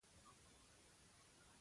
د تروږمۍ سپي په اټکل غاپي